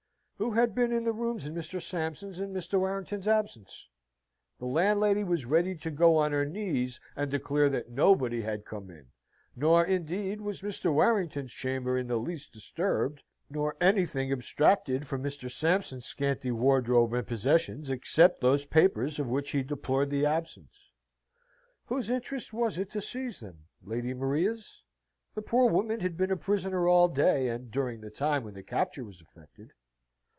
Who had been in the rooms in Mr. Sampson's and Mr. Warrington's absence? The landlady was ready to go on her knees, and declare that nobody had come in: nor, indeed, was Mr. Warrington's chamber in the least disturbed, nor anything abstracted from Mr. Sampson's scanty wardrobe and possessions, except those papers of which he deplored the absence. Whose interest was it to seize them? Lady Maria's? The poor woman had been a prisoner all day, and during the time when the capture was effected.